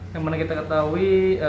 yang mana kita ketahui